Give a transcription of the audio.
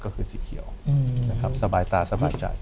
ก็คือสีเขียวสบายตาสบายใจ